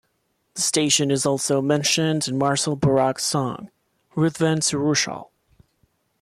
The station is also mentioned in Marcel Borrack's song "Ruthven to Rushall".